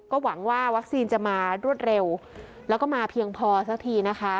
ก็หวังว่าวัคซีนจะมารวดเร็วแล้วก็มาเพียงพอสักทีนะคะ